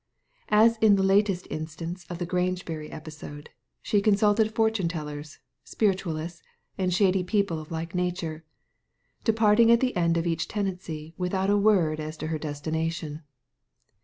As in the latest instance of the Grangebury episode, she consulted fortune tellers, spiritualists, and shady people of a like nature, departing at the end of each tenancy without a word as to her destination.